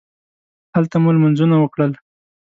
هلته مو لمونځونه وکړل.